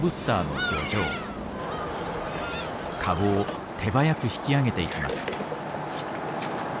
籠を手早く引き揚げていきます。